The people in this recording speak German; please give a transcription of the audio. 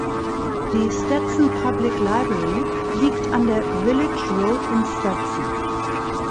Die "Stetson Public Library" liegt an der Village Road in Stetson.